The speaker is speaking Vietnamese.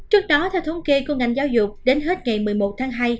trước đó theo thống kê của ngành giáo dục đến hết ngày một mươi một tháng hai